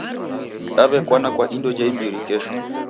Daw'ekwana kwa indo ja imbiri kesho.